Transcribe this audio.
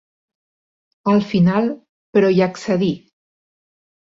Al final, però hi accedí.